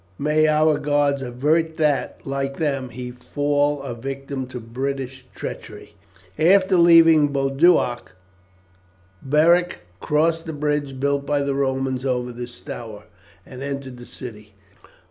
May our gods avert that, like them, he fall a victim to British treachery!" After leaving Boduoc, Beric crossed the bridge built by the Romans over the Stour, and entered the city.